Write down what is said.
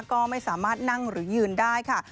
ก็ไม่สามารถนั่งหรือยืนได้ค่ะ